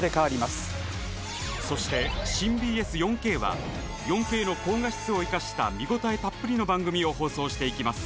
そして新ＢＳ４Ｋは４Ｋの高画質を生かした見応えたっぷりの番組を放送していきます